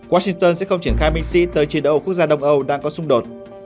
washington sẽ không triển khai binh sĩ tới chiến đấu quốc gia đông âu đang có xung đột